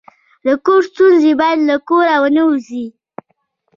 د کور ستونزه باید له کوره ونه وځي.